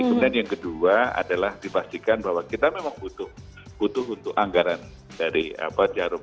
kemudian yang kedua adalah dipastikan bahwa kita memang butuh untuk anggaran dari jarum